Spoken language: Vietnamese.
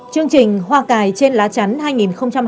chương trình hoa cải trên lá trắng hai nghìn hai mươi hai